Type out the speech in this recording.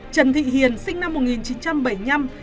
trần thị hiền sinh năm một nghìn chín trăm bảy mươi năm